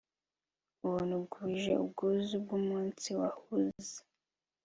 Ubuntu bwuje ubwuzu bwumunsi wahunze